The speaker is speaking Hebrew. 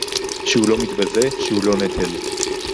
שהוא לא מתבזה, שהוא לא נטל